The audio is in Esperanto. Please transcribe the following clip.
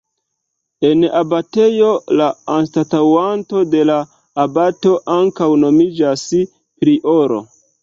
En abatejo la anstataŭanto de la abato ankaŭ nomiĝas prioro.